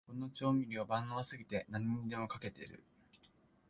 この調味料、万能すぎて何にでもかけてる